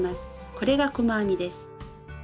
これが細編みです。